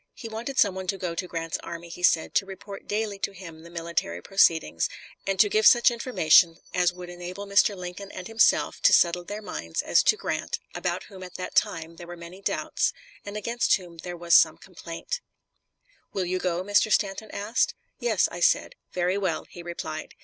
He wanted some one to go to Grant's army, he said, to report daily to him the military proceedings, and to give such information as would enable Mr. Lincoln and himself to settle their minds as to Grant, about whom at that time there were many doubts, and against whom there was some complaint. "Will you go?" Mr. Stanton asked. "Yes," I said. "Very well," he replied.